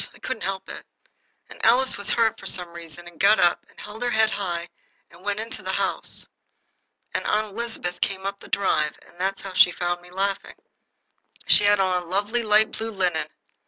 I couldn't help it. And Alice was hurt, for some reason, and got up and held her head high and went into the house. And Aunt Elizabeth came up the drive, and that is how she found me laughing. She had on a lovely light blue linen.